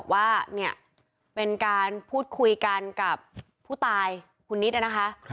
ว่าเนี่ยเป็นการพูดคุยกันกับผู้ตายคุณนิดนะคะ